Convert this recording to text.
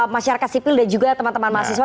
masyarakat sipil dan juga teman teman mahasiswa